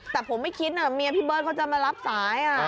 แต่ผมไม่คิดนะเมียพี่เบิร์ตเขาจะมารับสาย